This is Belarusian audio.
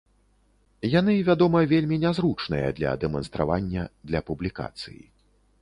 Яны, вядома, вельмі нязручныя для дэманстравання, для публікацыі.